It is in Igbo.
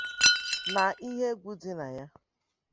nà ihe égwù dị na ya